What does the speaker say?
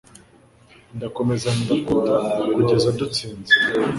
ndakomeza ndatota kugeza dutsinze